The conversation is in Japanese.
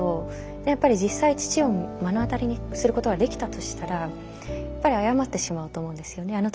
やっぱり実際父を目の当たりにすることができたとしたらやっぱり謝ってしまうと思うんですよね。